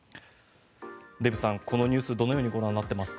デーブさん、このニュースどうご覧になっていますか？